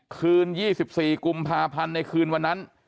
คืน๒๔กุมภาพันธ์ในคืนวันนั้น